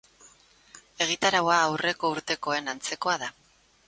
Egitaraua aurreko urtekoen antzekoa da.